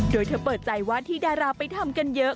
โดยเธอเปิดใจว่าที่ดาราไปทำกันเยอะ